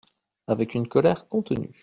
Avec une colère contenue.